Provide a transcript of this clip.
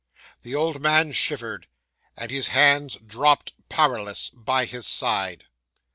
'The old man shivered, and his hands dropped powerless by his side.